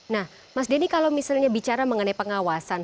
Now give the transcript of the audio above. nah mas denny kalau misalnya bicara mengenai pengawasan